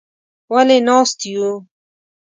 _ولې ناست يو؟